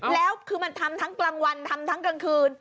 แล้วคือมันทำทั้งกลางวันทำทั้งกลางคืน